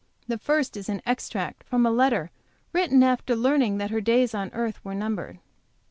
The first is an extract from a letter written after learning that her days on earth were numbered.